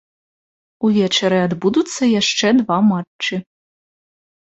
Увечары адбудуцца яшчэ два матчы.